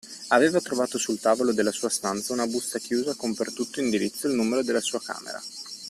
Aveva trovato sul tavolo della sua stanza una busta chiusa con per tutto indirizzo il numero della sua camera.